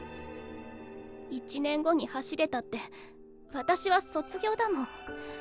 １年後に走れたって私は卒業だもん。